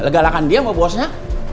legalakan dia mbak bosnya